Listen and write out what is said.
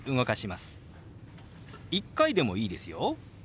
１回でもいいですよ。